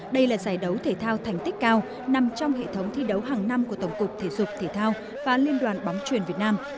đây là giải đấu thể thao thành tích cao nằm trong hệ thống thi đấu hàng năm của tổng cục thể dục thể thao và liên đoàn bóng truyền việt nam